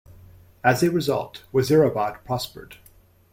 As a result, Wazirabad prospered.